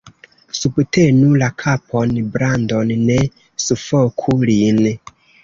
Subtenu la kapon Brandon. Ne sufoku lin.